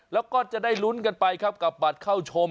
แล้วก็จะได้ลุ้นกันไปครับกับบัตรเข้าชม